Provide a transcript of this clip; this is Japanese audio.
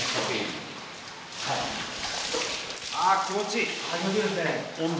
あ気持ちいい。